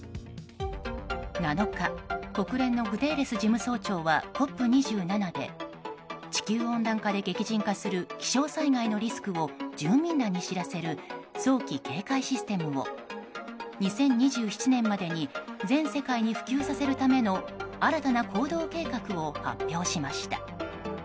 ７日、国連のグテーレス事務総長はＣＯＰ２７で地球温暖化で激甚化する気象災害のリスクを住民らに知らせる早期警戒システムを２０２７年までに全世界に普及させるための新たな行動計画を発表しました。